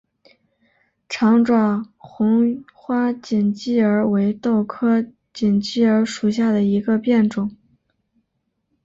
长爪红花锦鸡儿为豆科锦鸡儿属下的一个变种。